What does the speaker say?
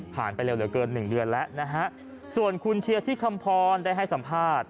ผ่านไปเร็วเกิน๑เดือนแล้วนะฮะส่วนคุณเชียร์ที่คำพรได้ให้สัมภาษณ์